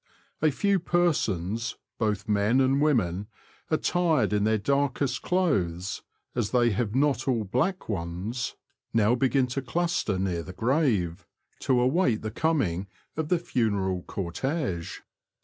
A few persons, both men and women, attired in their darkest clothes (as they have not all black ones), now begin to cluster near the grave, to aw^ait the coming of the funeral cortege.